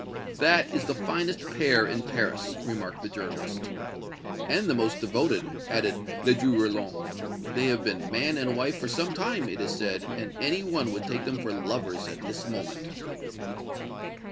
"That is the finest pair in Paris," remarked the journalist. "And the most devoted," added Ledru Rollin. "They have been man and wife for some time, it is said, and any one would take them for lovers at this moment."